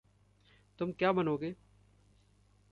तुम क्या बनोगे?